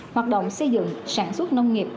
hoạt động xây dựng sản xuất nông nghiệp